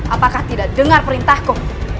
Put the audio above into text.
apakah tidak dengar perintahku